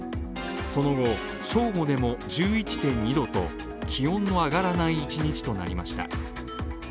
その後、正午でも１１．２度と気温の上がらない一日となりました。